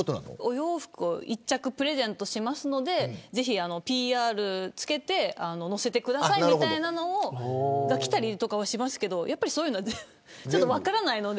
お洋服を１着プレゼントしますのでぜひＰＲを付けて載せてくださいみたいなのが来たりとかはしますけどそういうのは分からないので。